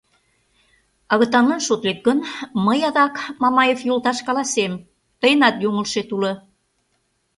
— Агытанлан шотлет гын, мый адак, Мамаев йолташ, каласем: тыйынат йоҥылышет уло.